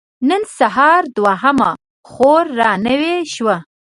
نن سهار دوهمه خور را نوې شوه.